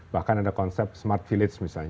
bahkan ada konsep smart village yang diperlukan